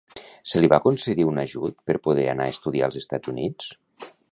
Se li va concedir un ajut per poder anar a estudiar als Estats Units?